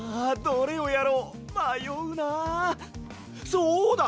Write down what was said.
そうだ！